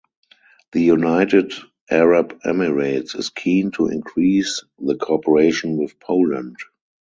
The United Arab Emirates is keen to increase the cooperation with Poland.